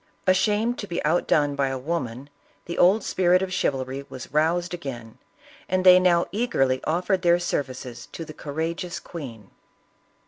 Ashamed to be outdone by a woman, the old spirit of chivalry was roused again, and they now eagerly offered their ser vices to the courageous queen.